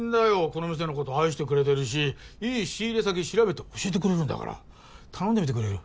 この店のこと愛してくれてるしいい仕入れ先調べて教えてくれるんだから頼んでみてくれる？